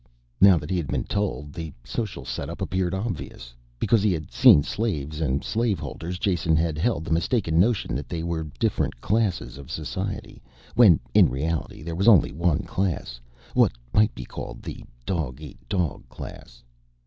Now that he had been told, the social setup appeared obvious. Because he had seen slaves and slave holders, Jason had held the mistaken notion that they were different classes of society, when in reality there was only one class, what might be called the dog eat dog class.